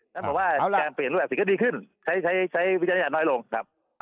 นั่นหมายถึงว่าแกงเปลี่ยนรูปแบบสิ่งก็ดีขึ้นใช้วิจารณญาณน้อยลงครับ